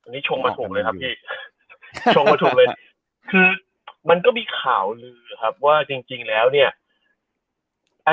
นี่ชงมาถูกเลยครับพี่มันก็มีข่าวลือครับว่าจริงแล้วเนี่ย